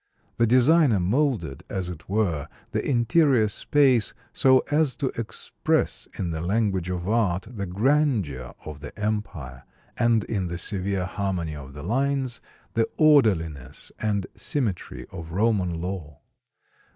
The designer molded, as it were, the interior space, so as to express in the language of art the grandeur of the empire, and in the severe harmony of the lines the orderliness and symmetry of Roman law.